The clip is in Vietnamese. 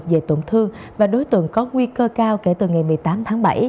dễ tổn thương và đối tượng có nguy cơ cao kể từ ngày một mươi tám tháng bảy